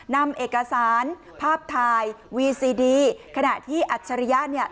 นำเอกสารภาพถ่ายวีซีดีขณะที่อัจฉริยะเนี่ย